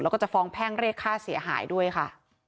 แล้วก็จะฟ้องแพ่งเรียกค่าเสียหายด้วยค่ะ